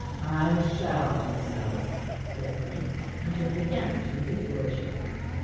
"I shall do so," said he, and turned again to his lordship.